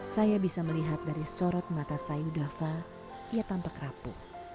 saya bisa melihat dari sorot mata sayu dava ia tampak rapuh